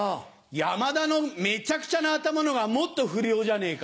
山田のめちゃくちゃな頭のほうがもっと不良じゃねえか。